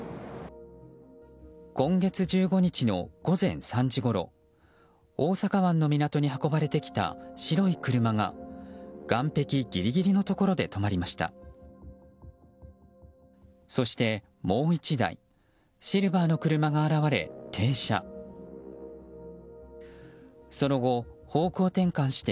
今月１５日の午前３時ごろ大阪湾の港に運ばれてきた白い車が岸壁ギリギリのところで止まりました。